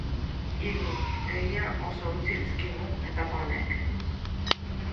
Hiru egia oso utzi dizkigu etapa honek.